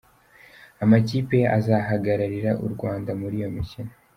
Amakipe azahagararira u Rwanda muri iyo mikino :.